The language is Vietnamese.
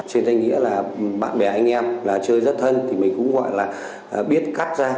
trên danh nghĩa là bạn bè anh em là chơi rất thân thì mình cũng gọi là biết cắt ra